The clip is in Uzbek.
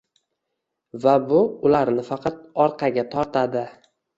va bu ularni faqat orqaga tortadi.